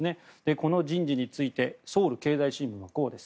この人事についてソウル経済新聞はこうです。